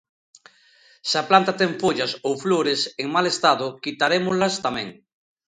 Se a planta ten follas ou flores en mal estado quitarémolas tamén.